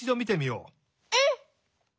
うん！